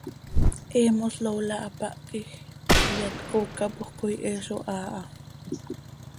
He mos Lola hapáh quij iyat cöcoocapoj coi, he zo haa ha.